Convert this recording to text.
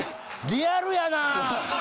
リアルやな。